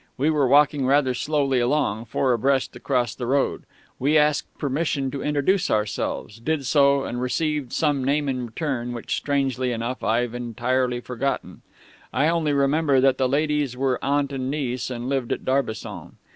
We were walking rather slowly along, four abreast across the road; we asked permission to introduce ourselves, did so, and received some name in return which, strangely enough, I've entirely forgotten I only remember that the ladies were aunt and niece, and lived at Darbisson.